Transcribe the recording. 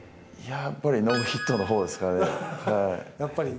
やっぱりノーヒットのほうですかね。